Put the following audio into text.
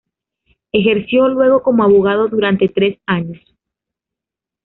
Ejerció luego como abogado durante tres años.